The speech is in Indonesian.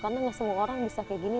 karena gak semua orang bisa kayak gini